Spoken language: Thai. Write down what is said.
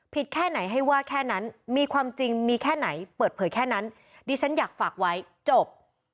แค่ไหนให้ว่าแค่นั้นมีความจริงมีแค่ไหนเปิดเผยแค่นั้นดิฉันอยากฝากไว้จบ